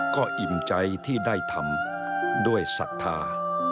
ก็อิ่มใจที่ได้ทำด้วยศรัทธา